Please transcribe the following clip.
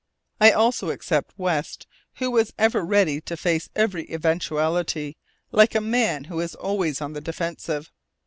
I also except West, who was ever ready to face every eventuality, like a man who is always on the defensive.